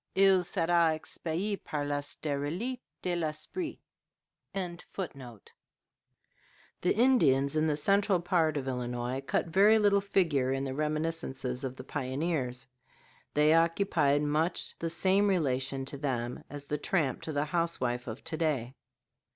Il sera expie par la sterilite de l'esprit."] The Indians in the central part of Illinois cut very little figure in the reminiscences of the pioneers; they occupied much the same relation to them as the tramp to the housewife of to day.